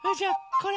これ？